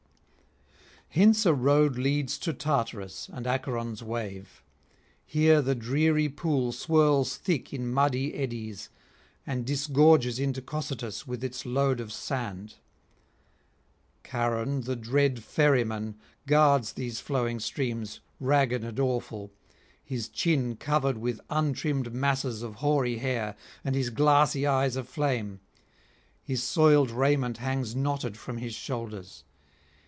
Hence a road leads to Tartarus and Acheron's wave. Here the dreary pool swirls thick in muddy eddies and disgorges into Cocytus with its load of sand. Charon, the dread ferryman, guards these flowing streams, ragged and awful, his chin covered with untrimmed masses of hoary hair, and his glassy eyes aflame; his soiled raiment hangs knotted from his shoulders.